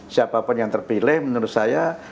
siapapun yang terpilih menurut saya